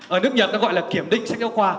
ở nước nhật nó gọi là kiểm định sách giáo khoa